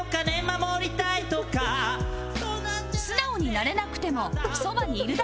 素直になれなくてもそばにいるだけでいい